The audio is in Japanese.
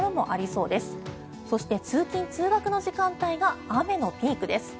そして、通勤・通学の時間帯が雨のピークです。